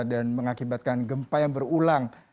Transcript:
dan mengakibatkan gempa yang berulang